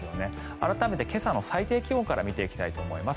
改めて今朝の最低気温から見ていきたいと思います。